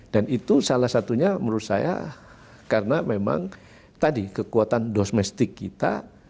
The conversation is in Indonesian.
dan itu salah satunya menurut saya karena memang tadi kekuatan domestik kita